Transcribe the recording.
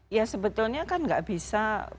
ya sebetulnya kan nggak bisa